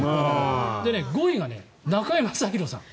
で、５位が中居正広さん。